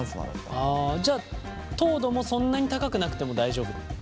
ああじゃあ糖度もそんなに高くなくても大丈夫ってこと？